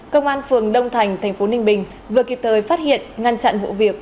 công an phường đông thành tp ninh bình vừa kịp thời phát hiện ngăn chặn vụ việc